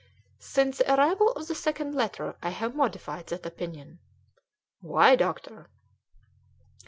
"Since the arrival of the second letter I have modified that opinion." "Why, doctor?"